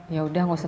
yaudah gak usah